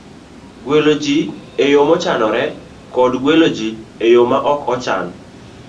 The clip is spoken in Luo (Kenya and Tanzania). gwelo ji e yo mochanore kod gwelo ji e yo ma ok ochan.